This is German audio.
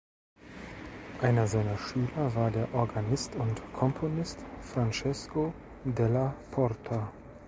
Einer seiner Schüler war der Organist und Komponist Francesco della Porta.